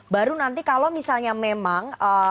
baru nanti kalau misalnya memang